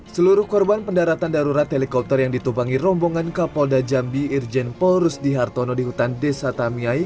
seluruh korban pendaratan darurat helikopter yang ditubangi rombongan kapolda jambi irjen paul rusdi hartono di hutan desa tamiai